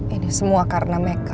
ini semua karena meka